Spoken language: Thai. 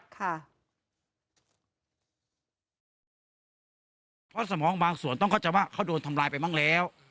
เพราะสมองบางส่วนต้องเข้าใจว่าเขาโดนทำลายไปบ้างแล้ว